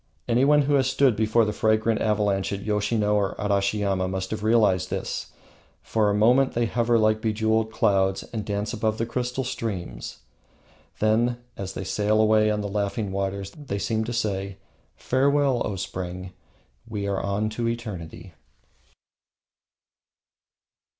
Anyone who has stood before the fragrant avalanche at Yoshino or Arashiyama must have realized this. For a moment they hover like bejewelled clouds and dance above the crystal streams; then, as they sail away on the laughing waters, they seem to say: "Farewell, O Spring! We are on to eternity."